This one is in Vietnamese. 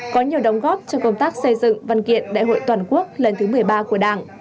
có nhiều đóng góp cho công tác xây dựng văn kiện đại hội toàn quốc lần thứ một mươi ba của đảng